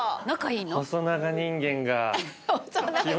細長人間。